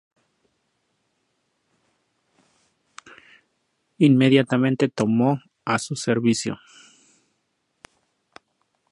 Inmediatamente lo tomó a su servicio.